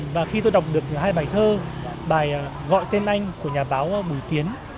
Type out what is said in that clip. và khi tôi đọc được hai bài thơ bài gọi tên anh của nhà báo bùi tiến